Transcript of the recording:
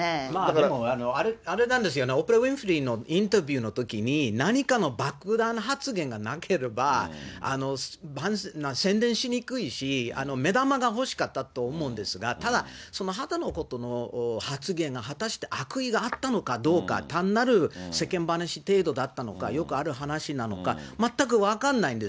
でも、あれなんですよね、オプラ・ウィンフリーのインタビューのときに、何かの爆弾発言がなければ宣伝しにくいし、目玉が欲しかったと思うんですが、ただその肌のことの発言が果たして悪意があったのかどうか、単なる世間話程度だったのか、よくある話なのか、全く分かんないんです。